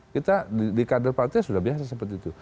kita di kader partai sudah biasa seperti itu